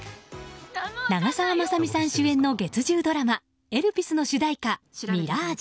長澤まさみさん主演の月１０ドラマ「エルピス」の主題歌「Ｍｉｒａｇｅ」。